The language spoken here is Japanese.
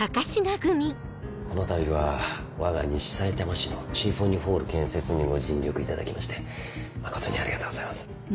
このたびはわが西さいたま市のシンフォニーホール建設にご尽力いただきまして誠にありがとうございます。